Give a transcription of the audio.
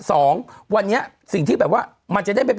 สองวันนี้สิ่งที่แบบว่ามันจะได้ไม่เป็น